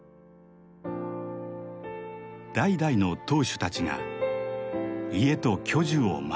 代々の当主たちが家と巨樹を守ってきた。